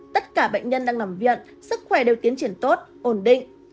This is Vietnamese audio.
tất cả bệnh nhân đang nằm viện sức khỏe đều tiến triển tốt ổn định